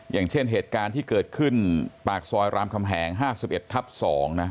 อย่างเช่นเหตุการณ์ที่เกิดขึ้นปากซอยรามคำแหง๕๑ทับ๒นะ